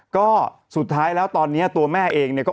ก็สุดท้ายแล้วตอนนี้ตัวแม่เองเนี่ยก็